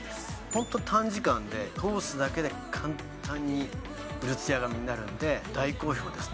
ホント短時間で通すだけで簡単に潤ツヤ髪になるんで大好評ですね